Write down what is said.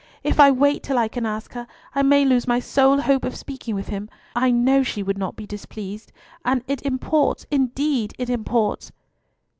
If I wait till I can ask her, I may lose my sole hope of speaking with him. I know she would not be displeased, and it imports, indeed it imports."